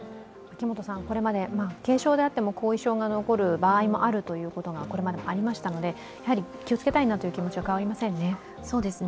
これまで軽症であっても、後遺症が残る場合があるということがこれまでありましたのでやはり気をつけたいなという気持ちは変わりませんね。